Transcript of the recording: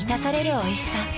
おいしさ